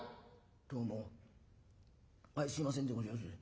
「どうもあいすいませんでごぜえやす。